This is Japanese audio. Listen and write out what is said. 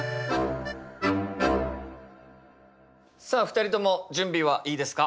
さあ２人とも準備はいいですか？